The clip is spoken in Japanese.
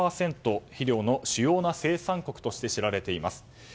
肥料の主要な生産国として知られています。